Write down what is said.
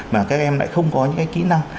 mà các em lại không có những cái kỹ năng